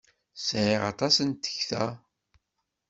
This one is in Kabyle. Sɛiɣ aṭas n tekta.